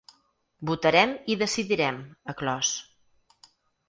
Votarem i decidirem, ha clos.